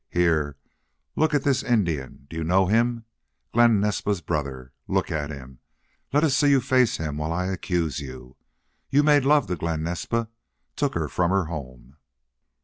"Here! Look at this Indian! Do you know him? Glen Naspa's brother. Look at him. Let us see you face him while I accuse you.... You made love to Glen Naspa took her from her home!"